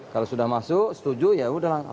kalau sudah masuk setuju yaudah lah